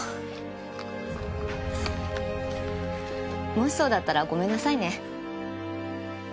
もしそうだったらごめんなさいね。